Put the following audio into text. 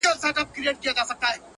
ستا غمونه ستا دردونه زما بدن خوري “